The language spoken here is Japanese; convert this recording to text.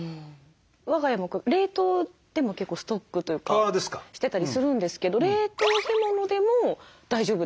我が家も冷凍でも結構ストックというかしてたりするんですけど冷凍干物でも大丈夫ですか？